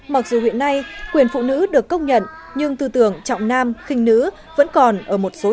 mặc dù hiện nay quyền phụ nữ được công nhận nhưng tư tưởng trọng nam khinh nữ vẫn còn ở một số